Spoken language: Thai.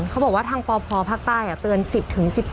เขาบอกว่าทางปพภาคใต้เตือน๑๐๑๒